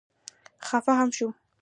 خفه هم شوم.